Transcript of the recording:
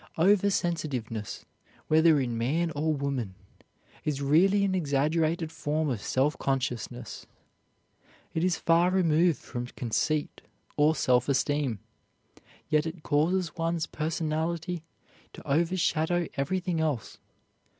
Over sensitiveness, whether in man or woman, is really an exaggerated form of self consciousness. It is far removed from conceit or self esteem, yet it causes one's personality to overshadow everything else.